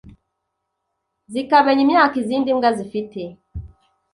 zikamenya imyaka izindi mbwa zifite,